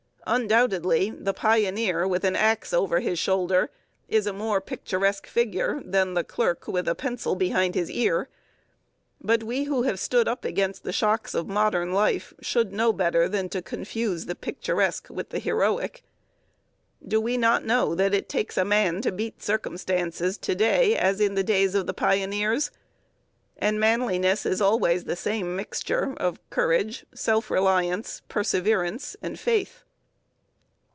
Undoubtedly the pioneer with an axe over his shoulder is a more picturesque figure than the clerk with a pencil behind his ear, but we who have stood up against the shocks of modern life should know better than to confuse the picturesque with the heroic. Do we not know that it takes a man to beat circumstances, to day as in the days of the pioneers? And manliness is always the same mixture of courage, self reliance, perseverance, and faith.